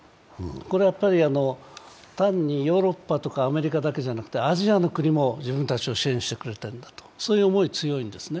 これは、単にヨーロッパとかアメリカだけじゃなくてアジアの国も自分たちを支援してくれいるんだという思いが強いんですね。